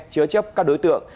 chớ chấp các đối tượng